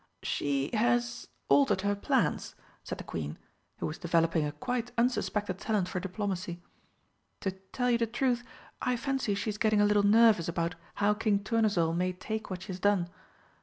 "She has altered her plans," said the Queen, who was developing a quite unsuspected talent for diplomacy. "To tell you the truth, I fancy she is getting a little nervous about how King Tournesol may take what she has done.